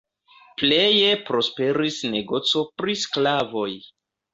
Pleje prosperis negoco pri sklavoj.